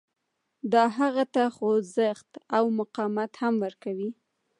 دا هغه ته خوځښت او مقاومت هم ورکوي